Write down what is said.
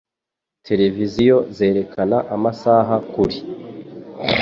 Televiziyo zerekana amasaha kuri .